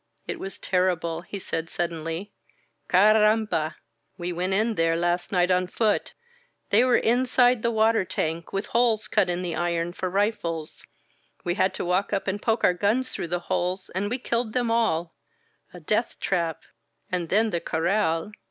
"It was terrible,*' he said suddenly. Carramba! We went in there last night on foot. They were in side the water tank, with holes cut in the iron for rifles. We had to walk up and poke our guns through the holes and we killed them all — a death trap! And then the Corral!